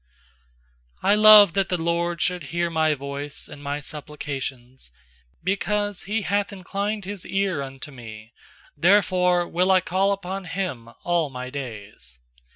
1 1 ft I love that the LORD shoulc 110 hear My voice and my supplications. 2Because He hath inclined His eai unto me, Therefore will I call upon Him all my days.